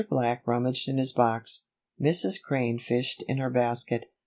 Black rummaged in his box, Mrs. Crane fished in her basket.